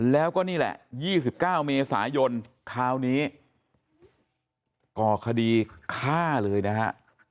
แล้วก็นี่แหละ๒๙เมษายนคราวนี้ก่อคดีฆ่าเลยนะฮะ